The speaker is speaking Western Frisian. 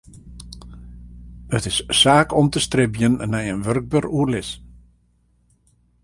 It is saak om te stribjen nei in wurkber oerlis.